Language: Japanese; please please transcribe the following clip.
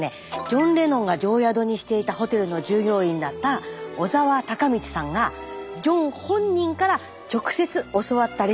ジョン・レノンが定宿にしていたホテルの従業員だった小澤孝道さんがジョン本人から直接教わったレシピで作ったものなんです。